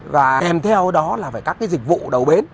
kèm theo đó là các dịch vụ đầu bến